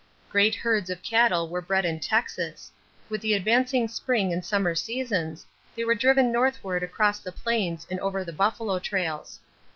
Great herds of cattle were bred in Texas; with the advancing spring and summer seasons, they were driven northward across the plains and over the buffalo trails.